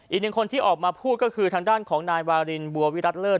อีกหนึ่งคนที่ออกมาพูดก็คือทางด้านของนายวารินบัววิรัติเลิศ